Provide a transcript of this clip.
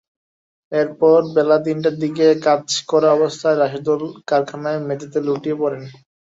এরপর বেলা তিনটার দিকে কাজ করা অবস্থায় রাশেদুল কারখানার মেঝেতে লুটিয়ে পড়েন।